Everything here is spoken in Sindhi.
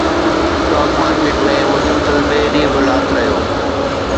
اسٽاڪ مارڪيٽ ۾ مسلسل ٻئي ڏينهن به لاٿ رهيو